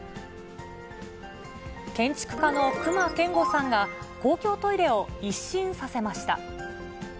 建築家の隈研吾さんが、公共トイレを一新させました。